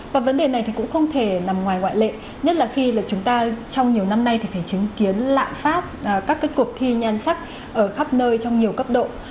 và vấn đề này thì cũng không thể nằm ngoài ngoại lệ nhất là khi chúng ta trong nhiều năm nay thì phải chứng kiến lạm phát các cuộc thi nhan sắc ở khắp nơi trong nhiều cấp độ